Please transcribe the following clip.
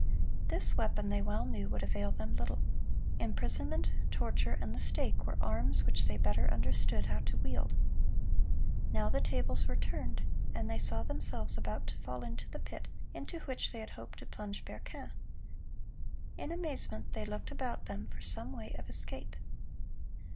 This weapon, they well knew, would avail them little; imprisonment, torture, and the stake were arms which they better understood how to wield. Now the tables were turned, and they saw themselves about to fall into the pit into which they had hoped to plunge Berquin. In amazement they looked about them for some way of escape.